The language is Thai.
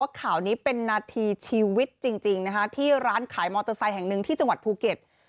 ข่าวนี้เป็นนาทีชีวิตจริงนะคะที่ร้านขายมอเตอร์ไซค์แห่งหนึ่งที่จังหวัดภูเก็ต